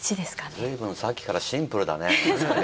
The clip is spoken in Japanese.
ずいぶんさっきからシンプルだね。